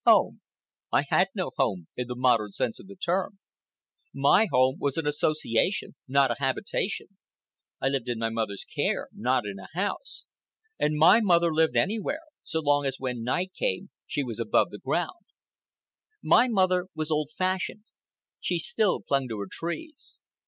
Home! I had no home in the modern sense of the term. My home was an association, not a habitation. I lived in my mother's care, not in a house. And my mother lived anywhere, so long as when night came she was above the ground. My mother was old fashioned. She still clung to her trees.